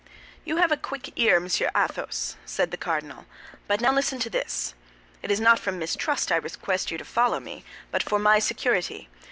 "You have a quick ear, Monsieur Athos," said the cardinal; "but now listen to this. It is not from mistrust that I request you to follow me, but for my security.